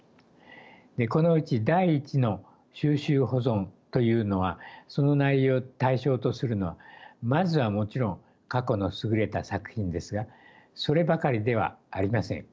このうち第一の収集保存というのはその対象とするのはまずはもちろん過去の優れた作品ですがそればかりではありません。